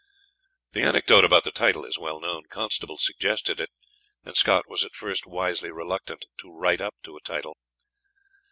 The anecdote about the title is well known. Constable suggested it, and Scott was at first wisely reluctant to "write up to a title."